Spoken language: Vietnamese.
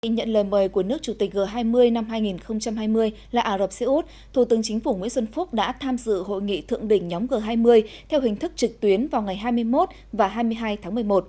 nhận lời mời của nước chủ tịch g hai mươi năm hai nghìn hai mươi là ả rập xê út thủ tướng chính phủ nguyễn xuân phúc đã tham dự hội nghị thượng đỉnh nhóm g hai mươi theo hình thức trực tuyến vào ngày hai mươi một và hai mươi hai tháng một mươi một